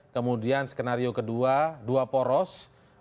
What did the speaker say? kemudian skenario kedua dua poros